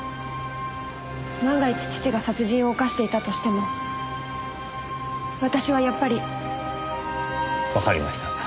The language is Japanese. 万が一父が殺人を犯していたとしても私はやっぱり。わかりました。